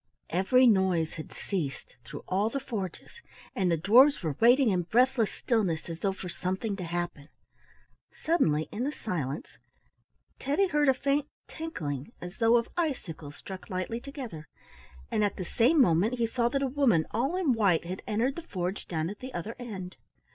Every noise has ceased through all the forges, and the dwarfs were waiting in breathless stillness as though for something to happen. Suddenly, in the silence, Teddy heard a faint tinkling as though of icicles struck lightly together, and at the same moment he saw that a woman all in white had entered the forge down at the other end.